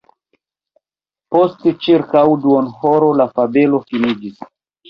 Post ĉirkaŭ duonhoro la fabelo finiĝis.